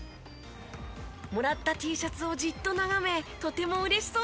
もらったＴシャツをじっと眺めとても嬉しそうでした。